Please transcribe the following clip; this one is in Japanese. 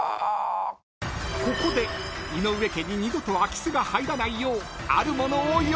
［ここで井上家に二度と空き巣が入らないようあるものを用意］